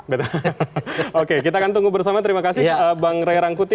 oke kita akan tunggu bersama terima kasih bang ray rangkuti